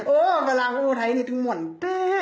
โอ้ยฝรั่งอู้ไทยนี่ถึงหม่อนแต้